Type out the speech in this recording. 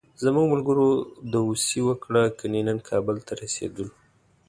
زموږ ملګرو داوسي وکړه، کني نن کابل ته رسېدلو.